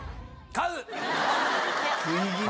買う！